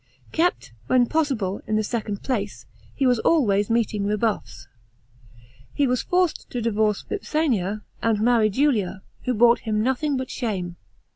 Kept, when possible, in the second place, he was always meeting rebuffs. He was forctd to divorce Vipsania and marry Julia, who brought him nothing but shame.